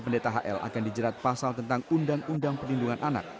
pendeta hl akan dijerat pasal tentang undang undang perlindungan anak